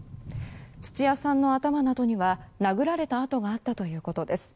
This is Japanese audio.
土屋さんの頭などには殴られた痕があったということです。